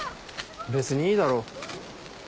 別にいいだろ。